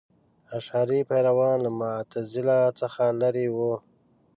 اشعري پیروان له معتزله څخه لرې وو.